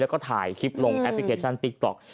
แล้วก็ถ่ายคลิปลงแอปพลิเคชันติ๊กต๊อก